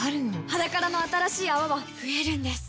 「ｈａｄａｋａｒａ」の新しい泡は増えるんです